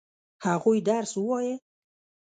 هغوی درس ووايه؟